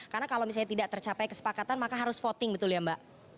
karena kalau misalnya tidak tercapai kesepakatan maka harus voting betul ya mbak